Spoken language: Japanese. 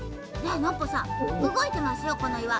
ノッポさんうごいてますよこのいわ。